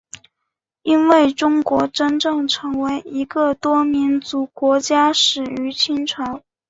因为中国真正成为一个多民族国家始于清朝。